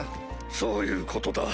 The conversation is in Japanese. そういうことだ。